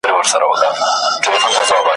دیو سف تر خپلواکۍ په توره څا کې